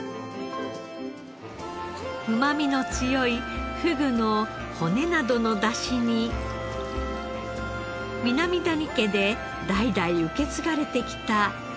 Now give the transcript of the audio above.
うまみの強いふぐの骨などの出汁に南谷家で代々受け継がれてきたいしるを加えたもの。